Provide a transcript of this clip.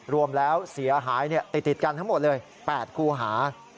รวมแล้วเสียหายติดกันทั้งหมดเลย๘คู่หา